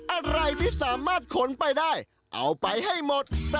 อะไรที่สามารถขนไปได้เอาไปให้หมด